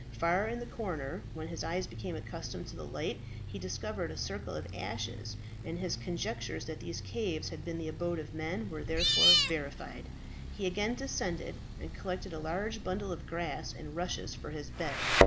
Far in the corner, when his eyes became accustomed to the light, he discovered a circle of ashes, and his conjectures that these caves had been the abode of men were therefore verified. He again descended, and collected a large bundle of grass and rushes for his bed.